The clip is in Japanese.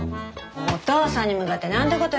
お父さんに向かって何てこと言うの。